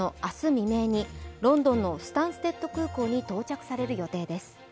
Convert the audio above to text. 未明にロンドンのスタンステッド空港に到着される予定です。